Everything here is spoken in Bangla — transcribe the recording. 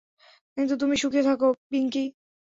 কিন্তু তুমি সুখী থাকো, পিংকী।